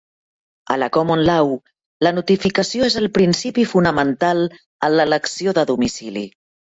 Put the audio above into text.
A la common law, la notificació és el principi fonamental en l'elecció de domicili.